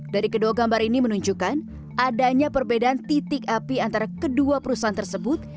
dari kedua gambar ini menunjukkan adanya perbedaan titik api antara kedua perusahaan tersebut